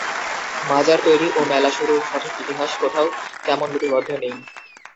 মাজার তৈরি ও মেলা শুরুর সঠিক ইতিহাস কোথাও তেমন লিপিবদ্ধ নেই।